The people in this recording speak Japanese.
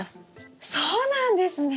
そうなんですね！